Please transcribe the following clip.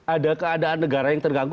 ada keadaan negara yang terganggu